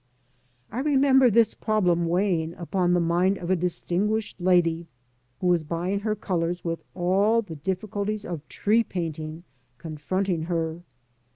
I remember this problem weighing upon the mind of a distinguished lady, who was buying her colours with all the diffi culties of tree painting confronting her.